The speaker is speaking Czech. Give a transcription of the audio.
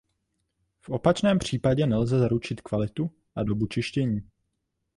V opačném případě nelze zaručit kvalitu a dobu čištění.